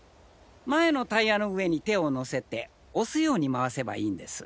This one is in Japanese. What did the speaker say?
前のタイヤの上に手をのせて押すように回せばいいんです。